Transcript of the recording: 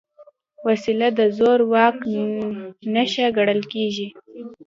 وسله د زور واک نښه ګڼل کېږي